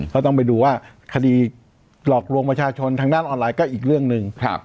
ก็ต้องไปดูว่าคดีหลอกลวงประชาชนทางด้านออนไลน์ก็อีกเรื่องหนึ่ง